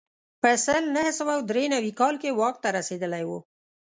په سل نه سوه درې نوي کال کې واک ته رسېدلی و.